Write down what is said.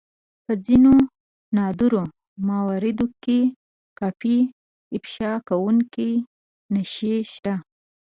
په ځينو نادرو مواردو کې کافي افشا کوونکې نښې شته.